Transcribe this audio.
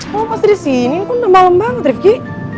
kok pasti di sini ini kan udah malem banget rifqi